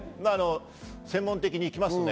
専門的にいきますね。